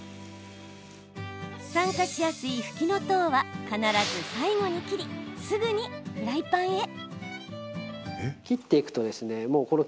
酸化しやすいふきのとうは必ず最後に切りすぐにフライパンへ。